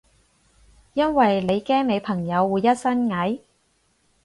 因為你驚你朋友會一身蟻？